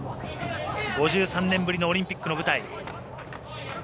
５３年ぶりのオリンピックの舞台。